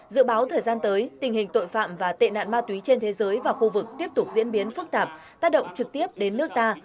dự báo thời gian tới tình hình tội phạm và tệ nạn ma túy trên thế giới và khu vực tiếp tục diễn biến phức tạp tác động trực tiếp đến nước ta